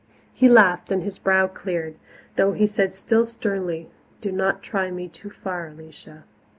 He laughed and his brow cleared, though he said still sternly, "Do not try me too far, Alicia."